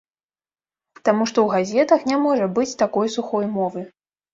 Таму што ў газетах не можа быць такой сухой мовы.